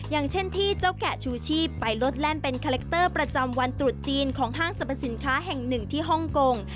อย่างเช่นที่เจ้าแกะชูชีพไปลดแล่นเป็นคาแรคเตอร์ประจำวันตรุษจีนของห้างสรรพสินค้าแห่งหนึ่งที่ฮ่องกง